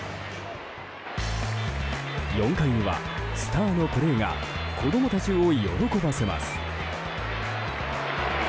４回には、スターのプレーが子供たちを喜ばせます。